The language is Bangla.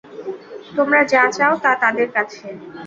তোমরা যা চাও, তা তাদের আছে।